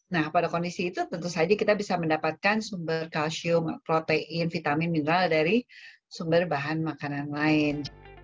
nah pada kondisi itu tentu saja kita bisa mendapatkan sumber kalsium protein vitamin mineral dari sumber bahan makanan lain